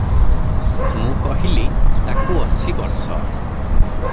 ମୁଁ କହିଲି- "ତାକୁ ଅଶୀ ବର୍ଷ ।